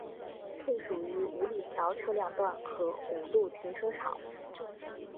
配属于五里桥车辆段和五路停车场。